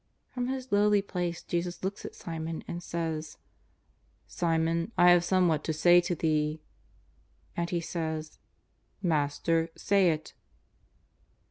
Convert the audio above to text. ."From His lowly place Jesus looks at Simon and says: ^ Simon, I have somewhat to say to thee.'* And he says :" Master, say it."